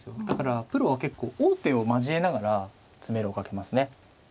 だからプロは結構王手を交えながら詰めろをかけますね。